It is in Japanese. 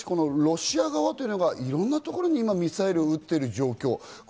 しかしロシア側がいろんなところに今ミサイルを撃っている状況。